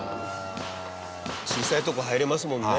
小さいとこ入れますもんね。